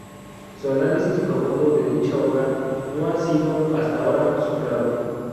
Su análisis profundo de dicha obra no ha sido hasta ahora superado.